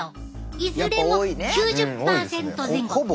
いずれも９０％前後。